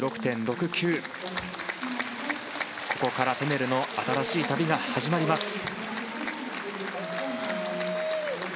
ここからテネルの新しい旅が始まります。